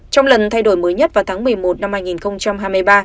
trong lần thay đổi mới nhất vào tháng một mươi một năm hai nghìn hai mươi ba